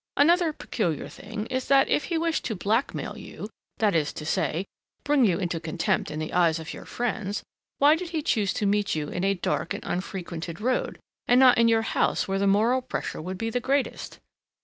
Another peculiar thing is that if he wished to blackmail you, that is to say, bring you into contempt in the eyes of your friends, why did he choose to meet you in a dark and unfrequented road, and not in your house where the moral pressure would be greatest?